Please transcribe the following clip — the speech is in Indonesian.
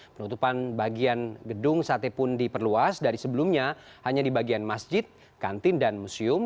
penutupan bagian gedung sate pun diperluas dari sebelumnya hanya di bagian masjid kantin dan museum